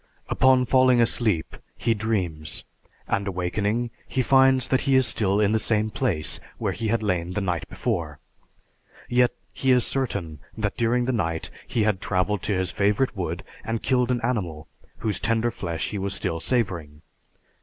Upon falling asleep he dreams, and awakening, he finds that he is still in the same place where he had lain the night before. Yet, he is certain that during the night he had traveled to his favorite wood and killed an animal whose tender flesh he was still savoring.